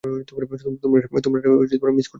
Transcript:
তোমরা এটা মিস করতে চাইবে না।